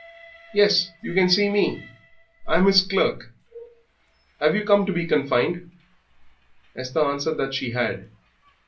"Yes, you can see me I'm his clerk. Have you come to be confined?" Esther answered that she had.